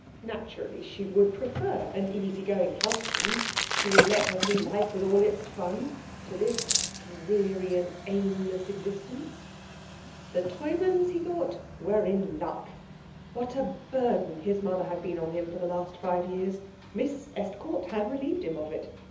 Naturally she would prefer an easy going husband, who would let her see life with all its fun, to this dreary and aimless existence. The Treumanns, he thought, were in luck. What a burden his mother had been on him for the last five years! Miss Estcourt had relieved him of it.